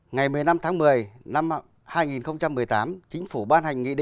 ngày một mươi năm tháng một mươi năm hai nghìn một mươi tám chính phủ ban hành nghiệp